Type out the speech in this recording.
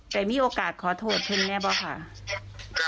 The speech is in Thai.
แต่มีโอกาสขอโทษคุณแม่ป่ะค่ะ